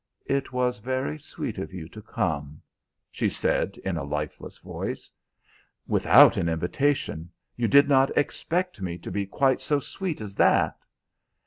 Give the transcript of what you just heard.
"It was very sweet of you to come," she said in a lifeless voice. "Without an invitation! You did not expect me to be quite so sweet as that?"